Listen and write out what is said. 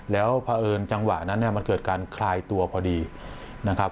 แล้วพอเอิญจังหวะนั้นเนี่ยมันเกิดการคลายตัวพอดีนะครับ